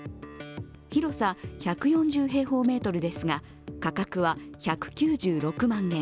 広さ１４０平方メートルですが価格は１９６万円。